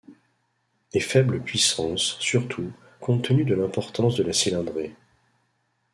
Et faibles puissances, surtout, compte tenu de l'importance de la cylindrée.